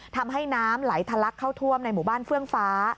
ทำให้น้ำไหลทะลักเข้าท่วมในหมู่บ้านเฟื่องฟ้า